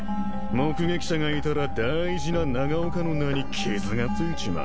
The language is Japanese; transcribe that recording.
目撃者がいたら大事な長岡の名に傷が付いちまう。